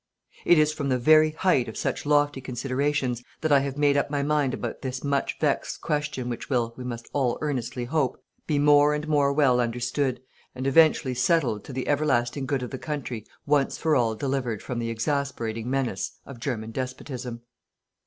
It is from the very height of such lofty considerations that I have made up my mind about this much vexed question which will, we must all earnestly hope, be more and more well understood and eventually settled to the everlasting good of the country once for all delivered from the exasperating menace of German despotism.